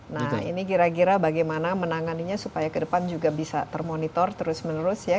nah ini kira kira bagaimana menanganinya supaya ke depan juga bisa termonitor terus menerus ya